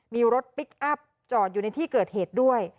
มีรถพลิกอัพจอดอยู่ในที่เกิดเหตุด้วย